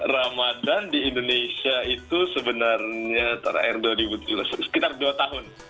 ramadan di indonesia itu sebenarnya terakhir dua ribu tujuh belas sekitar dua tahun